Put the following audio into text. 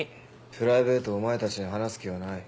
プライベートをお前たちに話す気はない。